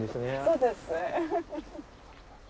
そうですね。